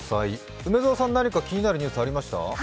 梅澤さん、何か気になるニュースありました？